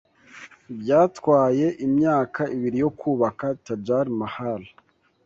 Byatwaye imyaka ibiri yo kubaka Taj Mahal.